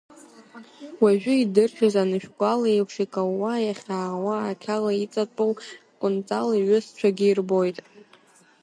Уажәы, идыршәыз анышәгәал еиԥш, икаууа иахьаауа ақьала иҵатәоу Кәынҵал иҩызцәагьы ирбоит.